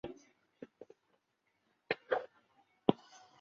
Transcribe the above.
户籍人口为公安机关统计的户口登记人数。